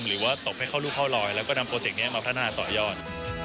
ตบให้เข้ารูเข้ารอยแล้วก็นำโปรเจกต์นี้มาพัฒนาต่อยอด